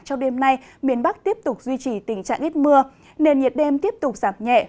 trong đêm nay miền bắc tiếp tục duy trì tình trạng ít mưa nền nhiệt đêm tiếp tục giảm nhẹ